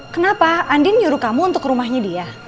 kenapa andin nyuruh kamu untuk ke rumahnya dia